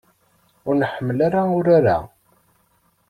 Ur nḥemmel urar-a.